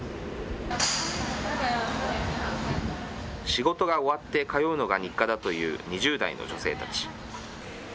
仕事が終わって通うのが日課だという２０代の女性たち。